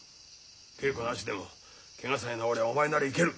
稽古なしでもケガさえ治りゃお前ならいける。